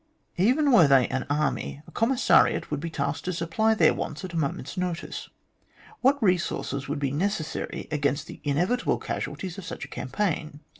Even were they an army, a commissariat would be tasked to supply their wants at a moment's notice. What resources would be necessary against the inevitable casualties of such a campaign